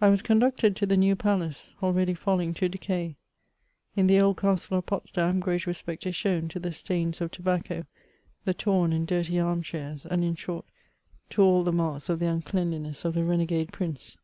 I was conducted to the New Palace, already falling to decay. In the old Castle of Potsdam, great respect is shown to the stains of tobacco, the torn and dirty arm chairs, and, in short, to all the marks of the uncleanliness of the renegade Prince.